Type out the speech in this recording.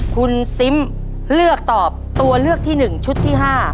คุณซิมเลือกตอบตัวเลือกที่๑ชุดที่๕